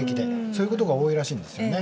そういうことが多いらしいんですよね。